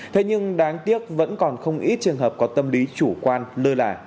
thế nhưng đáng tiếc vẫn còn không ít trường hợp có tâm lý chủ quan lơ là